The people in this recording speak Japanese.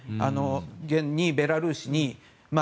現に、ベラルーシに。